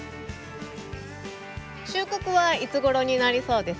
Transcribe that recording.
収穫はいつごろになりそうですか？